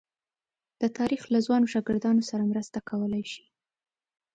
د تاریخ له ځوانو شاګردانو سره مرسته کولای شي.